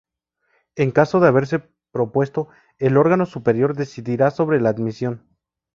En caso de haberse propuesto, el órgano superior decidirá sobre la admisión.